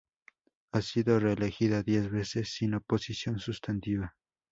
Ha sido reelegida diez veces sin oposición sustantiva.